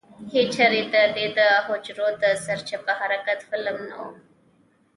هېچېرې دده د حجرو د سرچپه حرکت فلم نه و.